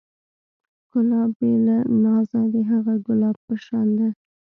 ښکلا بې له نازه د هغه ګلاب په شان ده.